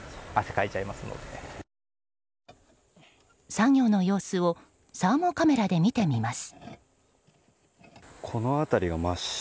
作業の様子をサーモカメラで見てみます。